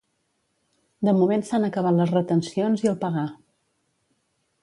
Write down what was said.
De moment s'han acabat les retencions i el pagar.